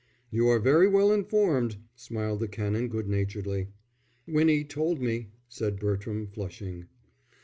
"You are very well informed," smiled the Canon, good naturedly. "Winnie told me," said Bertram, flushing.